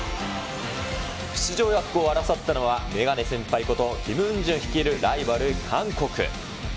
出場枠を争ったのは、メガネ先輩こと、キム・ウンジョン率いるライバル、韓国。